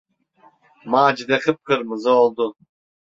Macide kıpkırmızı oldu.